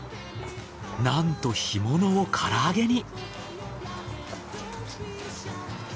なんと干物を唐揚げに。